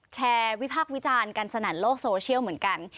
วิพักษ์วิจารณ์กันสนั่นโลกโซเชียลเหมือนกัน